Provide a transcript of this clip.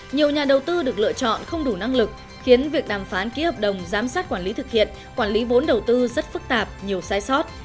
nhiều nhà đầu tư được lựa chọn không đủ năng lực khiến việc đàm phán ký hợp đồng giám sát quản lý thực hiện quản lý vốn đầu tư rất phức tạp nhiều sai sót